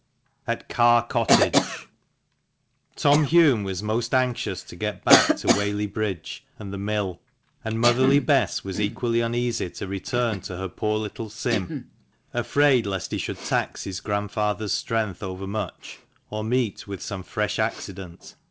AT CARR COTTAGE. OM HULME was most anxious to get back to Whaley Bridge and the mill, and motherly Bess was equally uneasy to re turn to her poor little Sim, afraid lest he should tax his grandfather's strength over much, or meet with some fresh accident.